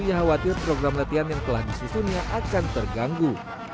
ia khawatir program latihan yang telah disusunnya akan terganggu